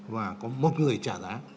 và có một người trả giá